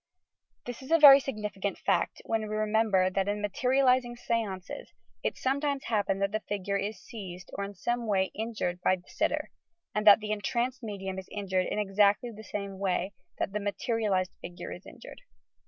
This is a very significant fact, when we remember that in materializing stances, it sometimes happens that the figure is seized or in some way injured by the sitter, and the entranced medium is injured in exactly the same way that the materialized figure is injured.